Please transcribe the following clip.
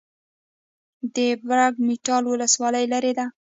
د برګ مټال ولسوالۍ لیرې ده